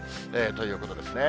ということですね。